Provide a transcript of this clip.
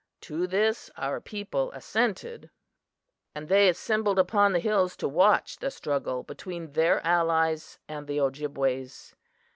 To this our people assented, and they assembled upon the hills to watch the struggle between their allies and the Ojibways.